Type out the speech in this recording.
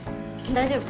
大丈夫。